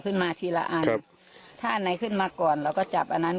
ขึ้นมาทีละอันถ้าอันไหนขึ้นมาก่อนเราก็จับอันนั้น